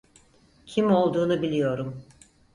Kim olduğunu biliyorum.